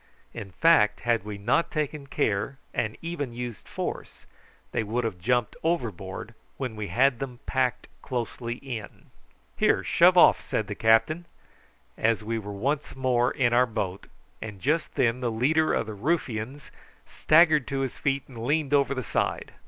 In fact had we not taken care, and even used force, they would have jumped overboard when we had them packed closely in. "Here, shove off!" the captain said, as we were once more in our boat; and just then the leader of the ruffians staggered to his feet and leaned over the side.